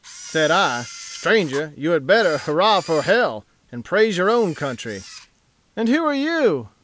"Said I, 'Stranger, you had better hurrah for hell, and praise your own country.' "'And who are you?